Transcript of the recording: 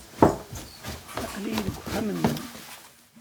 Aql-iyi deg uxxam-nnem.